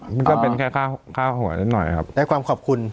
มันก็เป็นแค่ค่าหัวนิดหน่อยครับได้ความขอบคุณ